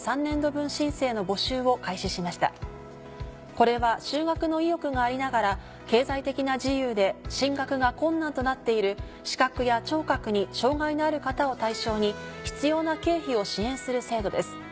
これは修学の意欲がありながら経済的な事由で進学が困難となっている視覚や聴覚に障がいのある方を対象に必要な経費を支援する制度です。